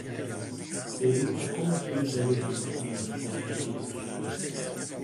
Και ήμουν ακόμα πιο υπερήφανος να είμαι δικός του σκύλος